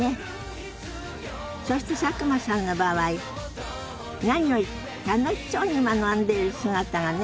そして佐久間さんの場合何より楽しそうに学んでいる姿がね